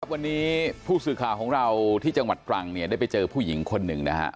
วันนี้ผู้สื่อข่าวของเราที่จังหวัดตรังได้ไปเจอผู้หญิงคนหนึ่งนะฮะ